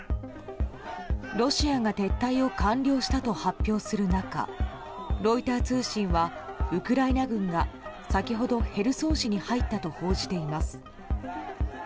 ロシアが撤退を完了したと発表する中ロイター通信は、ウクライナ軍が先ほどヘルソン市に入ったと報じています。